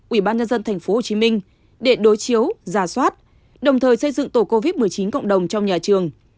ủy ban nhân dân tp hcm để đối chiếu giả soát đồng thời xây dựng tổ covid một mươi chín cộng đồng trong nhà trường